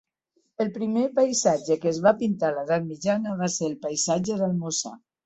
El primer paisatge que es va pintar a l'Edat Mitjana va ser el paisatge del Mosa.